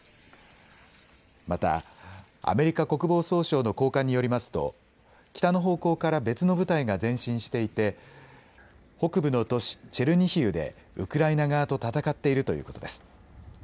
また、アメリカ国防総省の高官によりますと北の方向から別の部隊が前進していて北部の都市チェルニヒウでウクライナ側と戦っているということです。